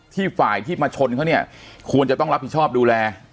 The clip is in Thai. ฝ่ายที่มาชนเขาเนี่ยควรจะต้องรับผิดชอบดูแล